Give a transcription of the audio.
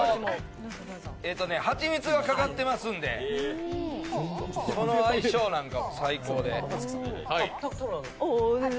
蜂蜜がかかってますんでその相性なんかも最高で。